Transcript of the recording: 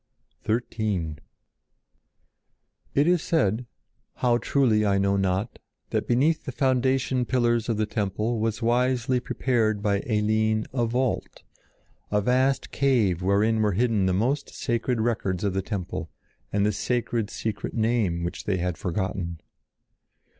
XIII It is said, how truly I know not, that beneath the foundation pillars of the temple was wisely prepared by Eline a vault, a vast cave wherein were hidden the most sacred records of the temple and the sacred secret name which they had forgotten.